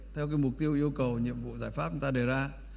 theo mục tiêu yêu cầu nhiệm vụ giải pháp chúng ta đề ra